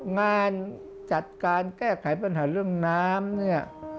งานจัดการแก้ไขปัญหาเรื่องน้ำเนี่ย